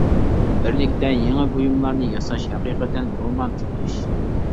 بىرلىكتە يېڭى بۇيۇملارنى ياساش ھەقىقەتەن رومانتىك ئىش.